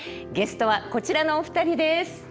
ゲストはこちらのお二人です！